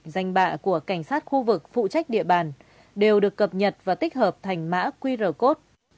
danh bạ của cảnh sát khu vực phụ trách địa bàn đều được cập nhật và tích hợp thành mã qr code